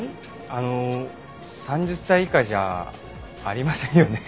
あの３０歳以下じゃありませんよね？